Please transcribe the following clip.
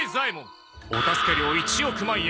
お助け料１億万円。